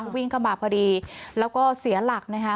วิ่งเข้ามาพอดีแล้วก็เสียหลักนะคะ